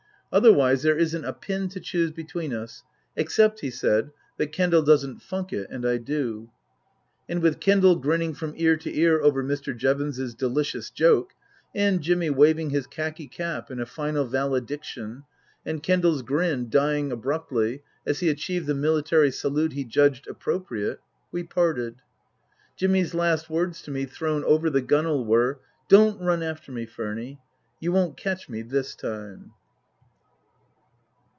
" Otherwise there isn't a pin to choose between us. Except," he said, " that Kendal doesn't funk it and I do." And with Kendal grinning from ear to ear over Mr. Jevons's delicious joke, and Jimmy waving his khaki cap in a final valediction, and Kendal's grin dying abruptly as he achieved the military salute he judged appropriate, we parted. Jimmy's last words to me, thrown over the gunwale, were, " Don't run after me, Furny. You won't catch me this time."